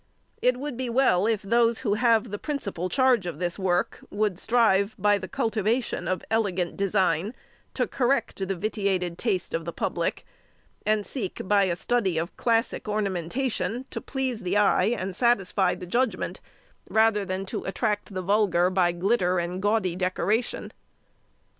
It would be well if those who have the principal charge of this work would strive, by the cultivation of elegant design, to correct the vitiated taste of the public, and seek by a study of classic ornamentation to please the eye and satisfy the judgment rather than to attract the vulgar by glitter and gaudy decoration.